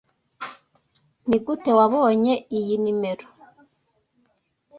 Nigute wabonye iyi nimero?